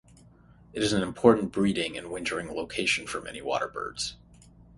It is an important breeding and wintering location for many waterbirds.